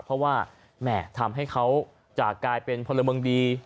เพราะว่าแหม่ทำให้เขาจะกลายเป็นพลเมืองดี